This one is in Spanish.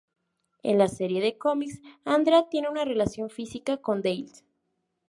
En la serie de cómics, Andrea tiene una relación física con Dale.